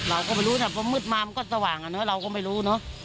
อันนี้ประโยชน์ใช้ได้อยู่